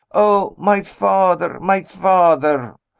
"Oh, my father! my father!"